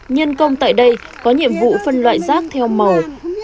nhân công tại đây có nhiệm vụ phân loại rác theo màu